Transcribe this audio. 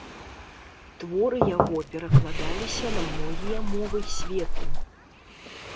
Творы яго перакладаліся на многія мовы свету.